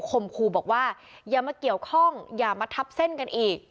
คมครูบอกว่าอย่ามาเกี่ยวข้องอย่ามาทับเส้นกันอีก